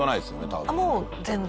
もう全然。